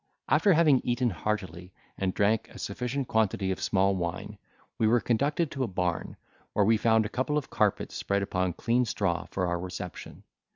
After having eaten heartily and drank a sufficient quantity of small wine, we were conducted to a barn, where we found a couple of carpets spread upon clean straw for our reception.